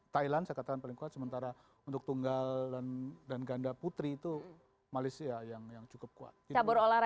thailand saya katakan paling kuat sementara untuk tunggal dan ganda putri itu malaysia yang cukup kuat